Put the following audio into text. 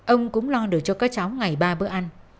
ông cũng lo được cho các cháu ngày ba bữa ăn